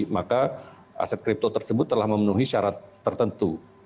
maka aset kripto tersebut telah memenuhi syarat tertentu